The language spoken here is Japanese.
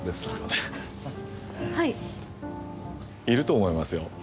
いると思いますよ